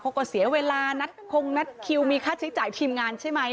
เขาก็เสียเวลานัดคงนัดคิวมีค่าใช้จ่ายทีมงานใช่ไหม